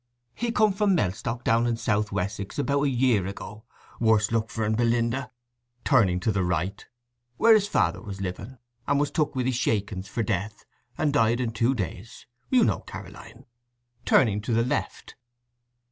"He come from Mellstock, down in South Wessex, about a year ago—worse luck for 'n, Belinda" (turning to the right) "where his father was living, and was took wi' the shakings for death, and died in two days, as you know, Caroline" (turning to the left).